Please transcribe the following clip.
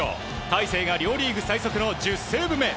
大勢が両リーグ最速の１０セーブ目。